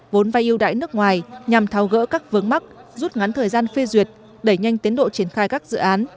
vốn vai yêu đãi nước ngoài nhằm thao gỡ các vướng mắc rút ngắn thời gian phê duyệt đẩy nhanh tiến độ triển khai các dự án